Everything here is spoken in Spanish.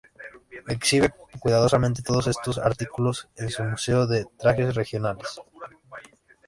Exhibe cuidadosamente todos estos artículos en su Museo de trajes regionales.